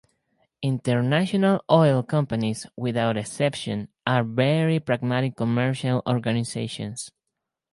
International oil companies, without exception, are very pragmatic commercial organizations.